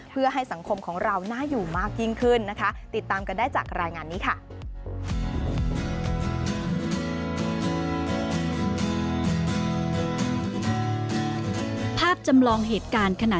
เพื่อให้สังคมของเราน่าอยู่มากยิ่งขึ้นนะคะ